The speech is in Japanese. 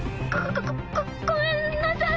ごごごごめんなさい。